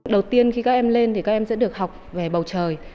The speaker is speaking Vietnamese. đầu tiên khi các em lên thì các em sẽ được học về bầu trời